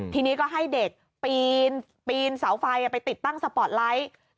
ทีนี้ก็ให้เด็กปีนเสาไฟไปติดตั้งสปอร์ตไลท์